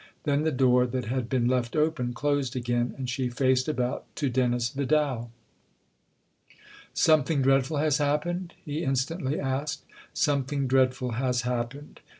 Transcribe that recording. Then the door that had been left open closed again, and she faced about to Dennis Vidal. " Something dreadful has happened ?" he instantly asked. " Something dreadful has happened.